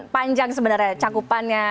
panjang sebenarnya cakupannya